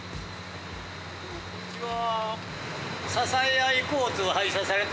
こんにちは。